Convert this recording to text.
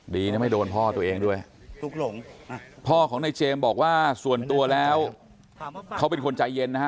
ดีนะไม่โดนพ่อตัวเองด้วยพ่อของในเจมส์บอกว่าส่วนตัวแล้วเขาเป็นคนใจเย็นนะฮะ